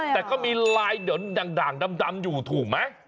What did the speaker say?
แต่ก็มีลายเดินด่างดำอยู่ถูกไหม